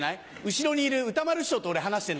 後ろにいる歌丸師匠と俺話してんだから。